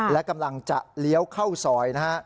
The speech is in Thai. และกำลังจะเลี้ยวเข้าซอยนะฮะ